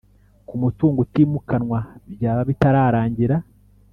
K umutungo utimukanwa byaba bitararangira